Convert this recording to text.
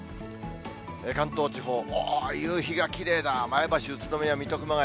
関東地方、夕日がきれいだ、前橋、宇都宮、水戸、熊谷。